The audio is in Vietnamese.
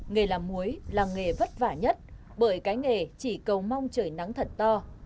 nghề làm muối là nghề vất vả nhất bởi cái nghề chỉ cầu mong trời nắng thật to